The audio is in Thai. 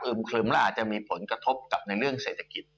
ครึมและอาจจะมีผลกระทบกับในเรื่องเศรษฐกิจ